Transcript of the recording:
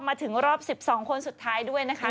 มาถึงรอบ๑๒คนสุดท้ายด้วยนะคะ